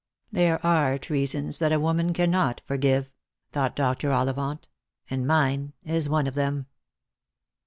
"There are treasons, that a woman cannot forgive," thought Dr. Ollivant, " and mine is one of them."